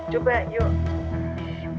jangan lupa ya